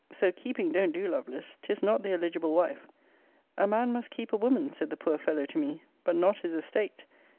So KEEPING don't do, Lovelace. 'Tis not the eligible wife. 'A man must keep a woman, said the poor fellow to me, but not his estate!